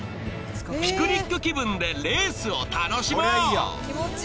ピクニック気分でレースを楽しもう！